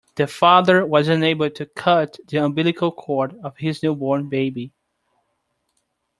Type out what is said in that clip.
The father was unable to cut the umbilical cord of his newborn baby.